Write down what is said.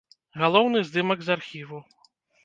Галоўны здымак з архіву.